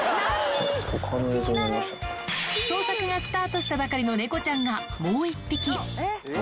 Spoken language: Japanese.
捜索がスタートしたばかりの猫ちゃんがもう１匹。